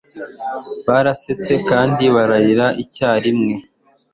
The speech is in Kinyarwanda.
Barasetse kandi bararira icyarimwe.